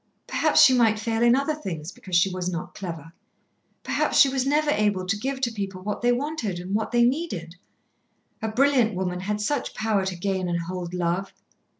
Perhaps she might fail in other things because she was not clever. Perhaps she was never able to give to people what they wanted, what they needed. A brilliant woman had such power to gain and hold love.